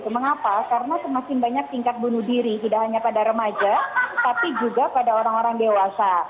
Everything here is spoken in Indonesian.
mengapa karena semakin banyak tingkat bunuh diri tidak hanya pada remaja tapi juga pada orang orang dewasa